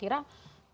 tidak perlu diperbaiki